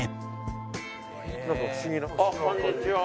あっこんにちは。